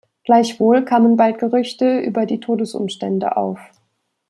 Gleichwohl kamen bald Gerüchte über die Todesumstände auf.